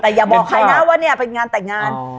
แต่อย่าบอกใครนะว่าเนี่ยเป็นงานแต่งงาน